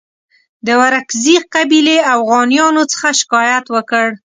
د ورکزي قبیلې اوغانیانو څخه شکایت وکړ.